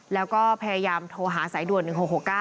แล้วก็พยายามโทรหาสายด่วน๑๖๖๙